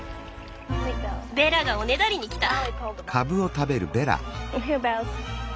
ベラがおねだりに来た。